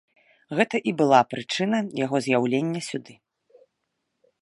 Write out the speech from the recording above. Гэта і была прычына яго з'яўлення сюды.